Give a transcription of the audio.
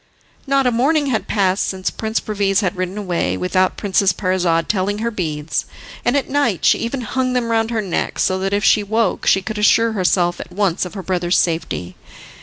Not a morning had passed since Prince Perviz had ridden away without Princess Parizade telling her beads, and at night she even hung them round her neck, so that if she woke she could assure herself at once of her brother's safety.